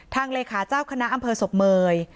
เลขาเจ้าคณะอำเภอศพเมย